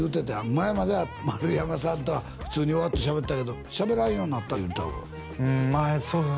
前までは丸山さんとは普通にわっとしゃべってたけどしゃべらんようになった言うてたまあそうですね